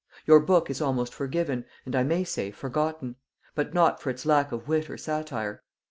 Your book is almost forgiven, and I may say forgotten; but not for its lack of wit or satire.